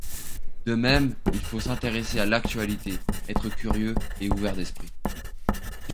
De même, il faut s'intéresser à l'actualité, être curieux et ouvert d'esprit.